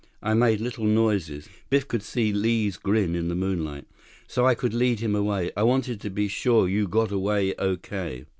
I made little noises." Biff could see Li's grin in the moonlight. "So I could lead him away. I wanted to be sure you got away okay."